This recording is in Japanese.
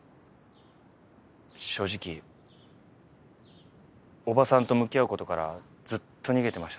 正直伯母さんと向き合う事からずっと逃げてました。